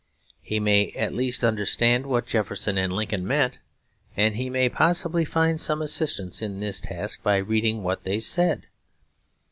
He may at least understand what Jefferson and Lincoln meant, and he may possibly find some assistance in this task by reading what they said.